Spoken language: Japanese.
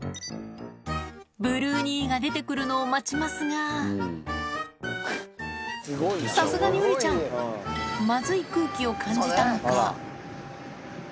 ブルー兄が出てくるのを待ちますが、さすがにウリちゃん、まずい空気を感じたのか。